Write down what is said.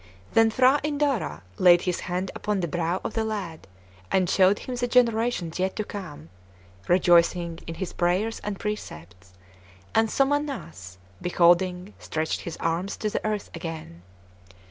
Then P'hra Indara laid his hand upon the brow of the lad, and showed him the generations yet to come, rejoicing in his prayers and precepts; and Somannass, beholding, stretched his arms to the earth again.